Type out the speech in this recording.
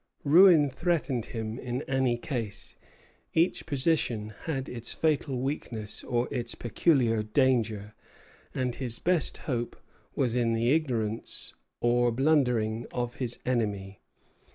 Ruin threatened him in any case; each position had its fatal weakness or its peculiar danger, and his best hope was in the ignorance or blundering of his enemy.